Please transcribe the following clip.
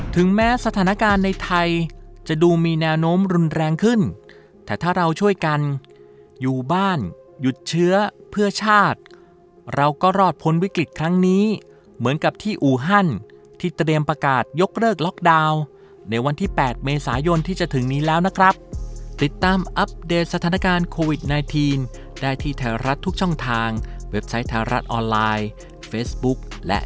ถึงแม้สถานการณ์ในไทยจะดูมีแนวโน้มรุนแรงขึ้นแต่ถ้าเราช่วยกันอยู่บ้านหยุดเชื้อเพื่อชาติเราก็รอดพ้นวิกฤตครั้งนี้เหมือนกับที่อูฮันที่เตรียมประกาศยกเลิกล็อกดาวน์ในวันที่๘เมษายนที่จะถึงนี้แล้วนะครับติดตามอัปเดตสถานการณ์โควิด๑๙ได้ที่ไทยรัฐทุกช่องทางเว็บไซต์ไทยรัฐออนไลน์เฟซบุ๊กและ